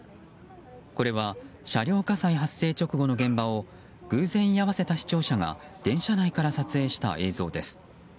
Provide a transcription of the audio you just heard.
これは車両火災発生直後の現場を偶然居合わせた視聴者が電車内から撮影した映像です。